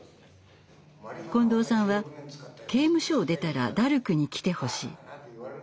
近藤さんは「刑務所を出たらダルクに来てほしい。